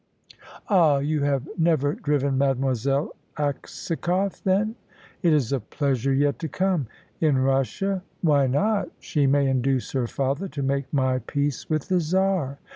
"Ah! You have never driven Mademoiselle Aksakoff, then?" "It is a pleasure yet to come." "In Russia?" "Why not? She may induce her father to make my peace with the Czar."